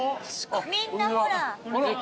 みんなほら。